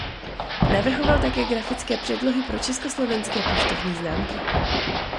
Navrhoval také grafické předlohy pro československé poštovní známky.